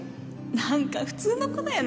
何か普通の子だよね